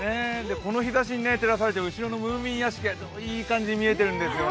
この日差しに照らされて後ろのムーミン屋敷がいい感じに見えているんですよね。